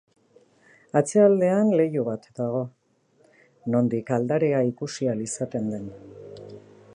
Atzealdean leiho bat dago, nondik aldarea ikusi ahal izaten den.